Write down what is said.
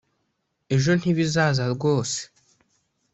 ejo ntibizaza rwose